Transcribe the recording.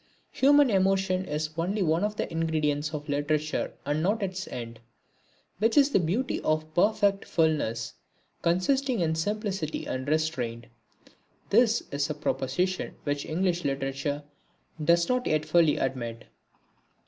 Human emotion is only one of the ingredients of literature and not its end, which is the beauty of perfect fulness consisting in simplicity and restraint. This is a proposition which English literature does not yet fully admit.